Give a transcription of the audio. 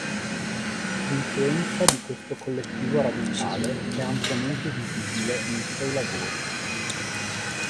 L'influenza di questo collettivo radicale è ampiamente visibile nei suoi lavori.